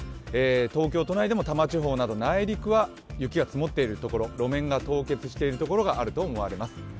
東京都内でも多摩地方など内陸は雪が積もっているところ路面が凍結しているところがあるとみられます。